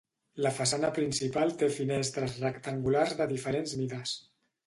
La façana principal té finestres rectangulars de diferents mides.